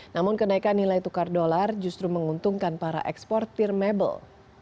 namun kenaikan nilai tukar dolar justru menguntungkan para eksportir mebel